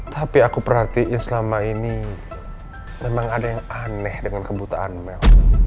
tapi aku perhatiin selama ini memang ada yang aneh dengan kebutaan mel